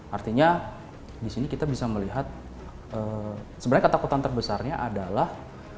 artinya disini kita bisa melihat sebenarnya ketakutan terbesarnya adalah